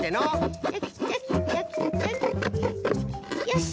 よし。